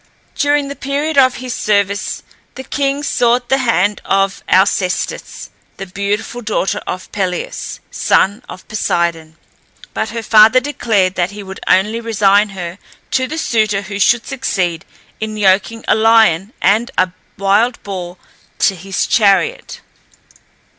During the period of his service the king sought the hand of Alcestis, the beautiful daughter of Pelias, son of Poseidon; but her father declared that he would only resign her to the suitor who should succeed in yoking a lion and a wild boar to his chariot.